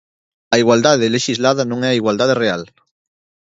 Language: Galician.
A igualdade lexislada non é a igualdade real.